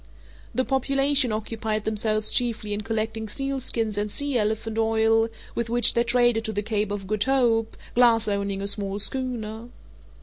The population occupied themselves chiefly in collecting sealskins and sea elephant oil, with which they traded to the Cape of Good Hope, Glass owning a small schooner.